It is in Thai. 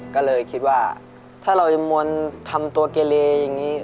ก็เลยคิดว่าถ้าเราจะมวลทำตัวเกเลอย่างนี้